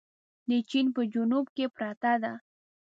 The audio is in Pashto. د چين په جنوب کې پرته ده.